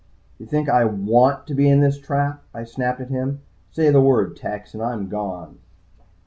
"You think I want to be in this trap?" I snapped at him. "Say the word, Tex, and I'm gone."